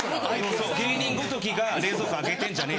そう芸人ごときが冷蔵庫開けてんじゃねえ。